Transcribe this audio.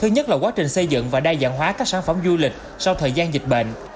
nhiều doanh nghiệp đã xây dựng và đa dạng hóa các sản phẩm du lịch sau thời gian dịch bệnh